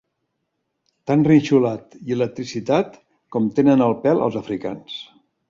Tan rinxolat i electritzat com tenen el pèl els africans.